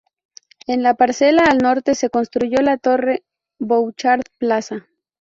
En la parcela al norte se construyó la Torre Bouchard Plaza.